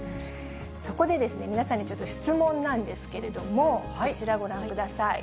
そこで皆さんにちょっと質問なんですけれども、こちらご覧ください。